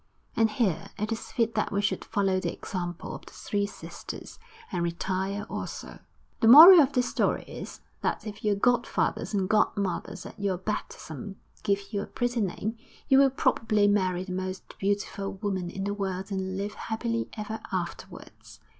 And here it is fit that we should follow the example of the three sisters, and retire also. The moral of this story is, that if your godfathers and godmothers at your baptism give you a pretty name, you will probably marry the most beautiful woman in the world and live happily ever afterwards....